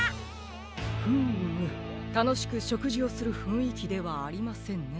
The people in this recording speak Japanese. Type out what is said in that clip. フムたのしくしょくじをするふんいきではありませんね。